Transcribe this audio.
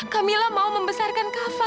kamila mau membesarkan kava